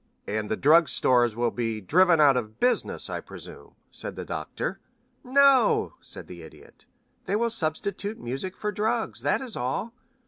"And the drug stores will be driven out of business, I presume," said the Doctor. "No," said the Idiot. "They will substitute music for drugs, that is all.